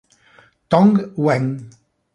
Tong Wen